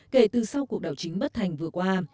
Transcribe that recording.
kể từ sau cuộc đảo chính bất thành vừa qua